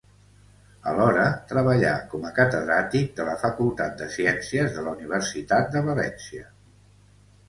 Alhora, treballà com a catedràtic de la Facultat de Ciències de la Universitat de València.